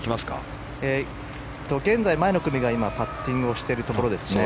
現在、前の組がパッティングをしているところですね。